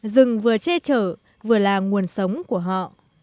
rừng vừa chê trở vừa là nguồn sống của họ